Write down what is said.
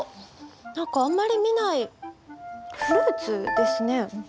何かあんまり見ないフルーツですね。